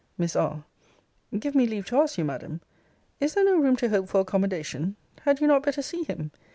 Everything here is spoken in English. Miss R. Give me leave to ask you, Madam, Is there no room to hope for accommodation? Had you not better see him?